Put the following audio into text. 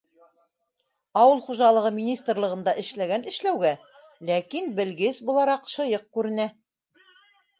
Ауыл хужалығы министрлығында эшләгән эшләүгә, ләкин белгес булараҡ шыйыҡ күренә.